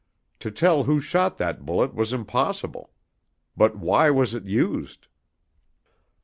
To tell who shot that bullet was impossible. But why was it used?